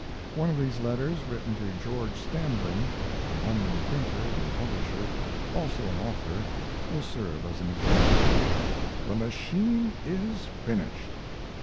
One of these letters, written to George Standring, a London printer and publisher, also an author, will serve as an example. The machine is finished!